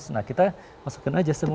nah kita masukkan aja semuanya